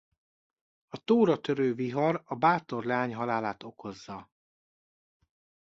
A tóra törő vihar a bátor leány halálát okozza.